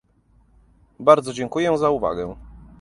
Bardzo dziękuję za uwagę